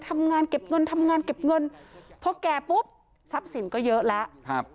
ทำงานเก็บเงินทำงานเก็บเงินพอแก่ปุ๊บทรัพย์สินก็เยอะแล้วครับ